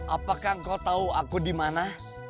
apakah kau tahu aku dimana